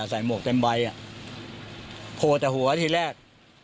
หมวกเต็มใบอ่ะโผล่แต่หัวทีแรก